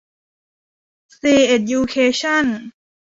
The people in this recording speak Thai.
ซีเอ็ดยูเคชั่น